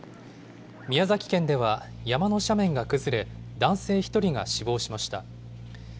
宮崎県では、山の斜面が崩れ、男性１人が死亡しました。